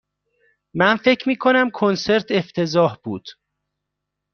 من فکر می کنم کنسرت افتضاح بود.